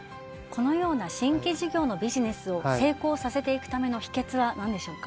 このような新規事業のビジネスを成功させていくための秘訣は何でしょうか？